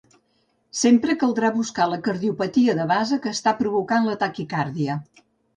Sempre caldrà buscar la cardiopatia de base que està provocant la taquicàrdia.